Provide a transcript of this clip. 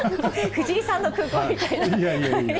藤井さんの空港みたいな。